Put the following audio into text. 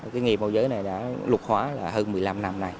cái nghề bầu giới này đã lục hóa là hơn một mươi năm năm nay